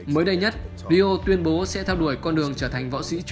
mới đây nhất rio tuyên bố sẽ theo đuổi con đường trở thành một trận đấu đấu